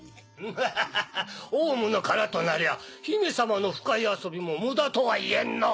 ハハハ王蟲の殻となりゃ姫様の腐海遊びもムダとは言えんのう。